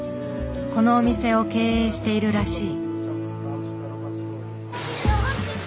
このお店を経営しているらしい。